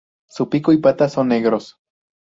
Su pico y patas son negros.